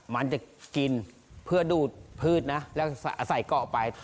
มันจะกินเพื่อดูดพืชนะแล้วใส่เกาะไป